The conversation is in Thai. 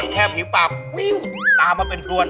แค่ผิวปากตามมาเป็นตัว